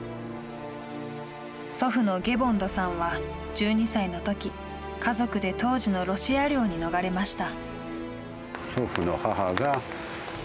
祖父のゲボンドさんは１２歳のとき、家族で当時のロシア領に逃れました。